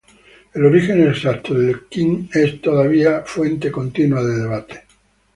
El origen exacto del qin es todavía fuente continua de debates.